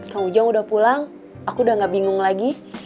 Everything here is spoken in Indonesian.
kang ujang udah pulang aku udah gak bingung lagi